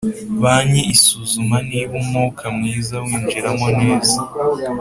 Banki isuzuma niba umwuka mwiza winjiramo neza